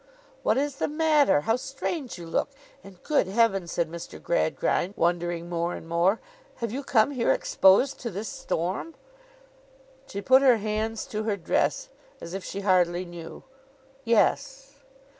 'What is the matter? How strange you look! And good Heaven,' said Mr. Gradgrind, wondering more and more, 'have you come here exposed to this storm?' She put her hands to her dress, as if she hardly knew. 'Yes.